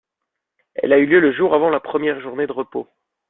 Elle a eu lieu le jour avant la première journée de repos.